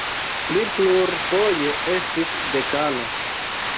Li plurfoje estis dekano.